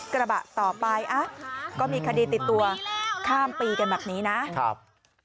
ครับ